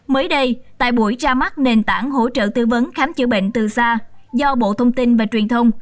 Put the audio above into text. mới đây tại buổi ra mắt nền tảng hỗ trợ tư vấn khám chữa bệnh từ xa do bộ thông tin và truyền thông